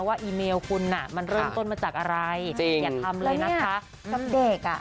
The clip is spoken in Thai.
ว่าอีเมลคุณร่างมาจากอะไรอย่าทำเลยนะคะ